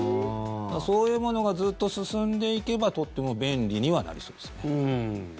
そういうものがずっと進んでいけばとっても便利にはなりそうですね。